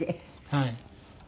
はい。